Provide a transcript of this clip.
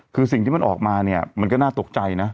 คือสิ่งที่มันออกมาเนี่ยมันก็น่าตกใจนะ